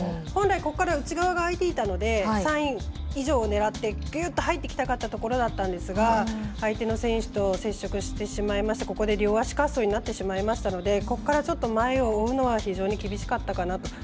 本来ここから内側が空いていたので３位以上をねらってぎゅっと入っていきたかったところだったんですが相手の選手と接触してしまいましてここで両足滑走になってしまいましたのでここからちょっと前を追うのは非常に厳しかったかなと。